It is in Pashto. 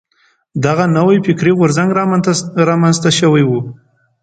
دغه نوی فکري غورځنګ را منځته شوی و.